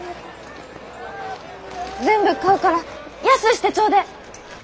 全部買うから安うしてちょうでえ！